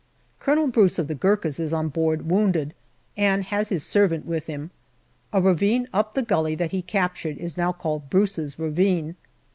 Colonel Bruce, of the Gurkhas, is on board wounded, and has his servant with him. A ravine up the gully that he captured is now called Brace's Ravine.